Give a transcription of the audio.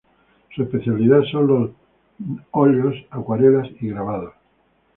Su especialidad son los óleos, acuarelas y grabados.